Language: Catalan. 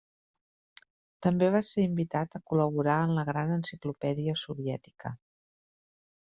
També va ser invitat a col·laborar en la Gran Enciclopèdia Soviètica.